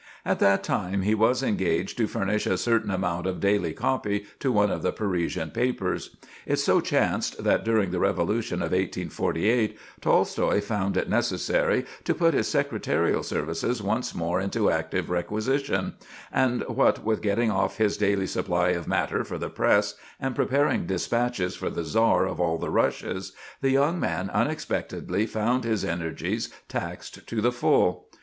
At that time he was engaged to furnish a certain amount of daily copy to one of the Parisian papers. It so chanced that during the Revolution of 1848 Tolstoï found it necessary to put his secretarial services once more into active requisition; and, what with getting off his daily supply of matter for the press and preparing dispatches for the Czar of all the Russias, the young man unexpectedly found his energies taxed to the full.